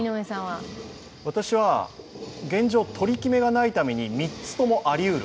私は現状、取り決めがないために３つともありうる。